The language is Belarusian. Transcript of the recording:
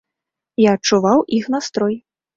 Я адчуваў іх настрой.